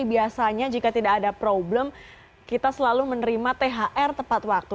biasanya jika tidak ada problem kita selalu menerima thr tepat waktu